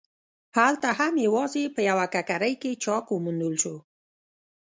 هلته هم یوازې په یوه ککرۍ کې چاک وموندل شو.